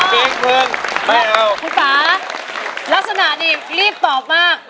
คุณฟ้าลักษณะนี้รีบตอบมาก